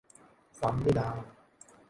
ซ้ำนี่นา